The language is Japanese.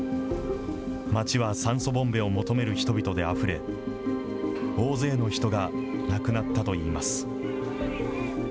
街は酸素ボンベを求める人々であふれ、大勢の人が亡くなったといいます。